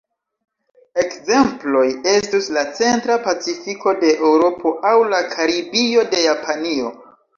Ekzemploj estus la Centra Pacifiko de Eŭropo aŭ la Karibio de Japanio.